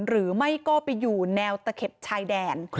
หรือไม่ก็ไปอยู่แนวตะเข็บชายแดน